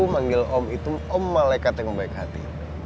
manggil om itu om malaikat yang membaik hati